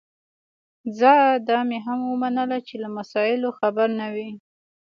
ځه دا مي هم ومنله چي له مسایلو خبر نه وې